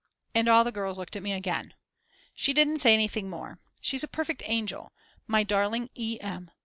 And all the girls looked at me again. She didn't say anything more. She's a perfect angel, my darling E. M.